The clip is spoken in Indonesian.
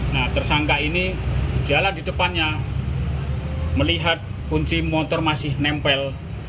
nah tersangka ini jalan di depannya melihat kunci motor masih nempel